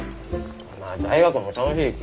まあ大学も楽しいき。